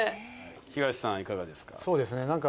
東さんはいかがですか？